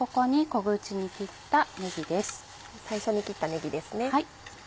最初に切ったねぎですね。